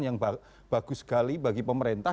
yang bagus sekali bagi pemerintah